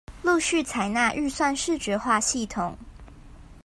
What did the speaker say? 陸續採納預算視覺化系統